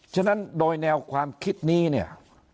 ฉะนั้นโดยแนวความคิดนี้เนี่ย